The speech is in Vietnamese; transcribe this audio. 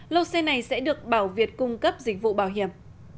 lô xe này sẽ được bảo việt cung cấp dịch vụ bảo hiểm